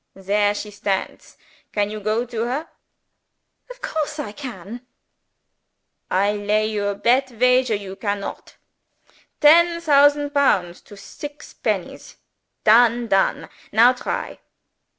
"There she stands. Can you go to her?" "Of course I can!" "I lay you a bet wager you can not! Ten thausand pounds to six pennies. Done done. Now try!"